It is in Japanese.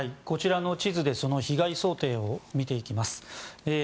こちらの地図で被害想定を見ていきます。